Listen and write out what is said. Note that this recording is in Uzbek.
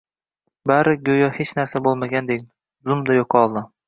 — barisi, go‘yo hech qachon bo‘lmagandek, zumda yo‘qoldi.